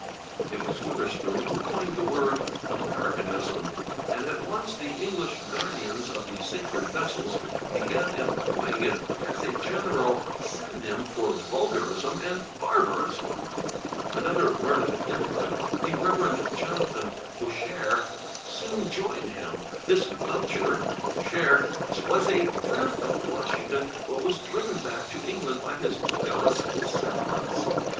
" It was Witherspoon who coined the word /Americanism/ and at once the English guardians of the sacred vessels began employing it as a general synonym for vulgarism and barbarism. Another learned immigrant, the Rev. Jonathan Boucher, soon joined him. This Boucher was a friend of Washington, but was driven back to England by his Loyalist sentiments.